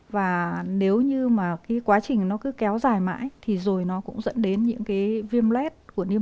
và nếu như mà cái quá trình nó cứ kéo dài mãi thì rồi nó cũng dẫn đến những cái viêm lét của niềm vui